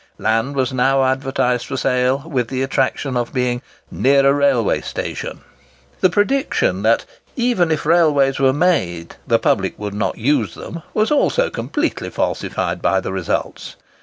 Land was now advertised for sale, with the attraction of being "near a railway station." The prediction that, even if railways were made, the public would not use them, was also completely falsified by the results.